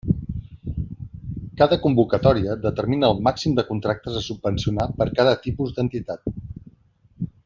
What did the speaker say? Cada convocatòria determina el màxim de contractes a subvencionar per a cada tipus d'entitat.